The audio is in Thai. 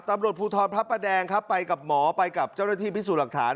ตำรวจภูทรพระประแดงครับไปกับหมอไปกับเจ้าหน้าที่พิสูจน์หลักฐาน